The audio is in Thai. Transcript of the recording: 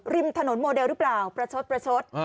ริมถนนโมเดลหรือเปล่าประชดประชด